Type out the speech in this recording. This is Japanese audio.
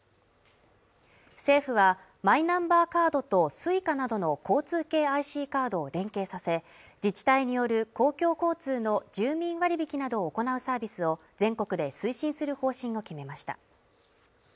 政府はマイナンバーカードとＳｕｉｃａなどの交通系ＩＣカードを連携させ自治体による公共交通の住民割引などを行うサービスを全国で推進する方針を決めました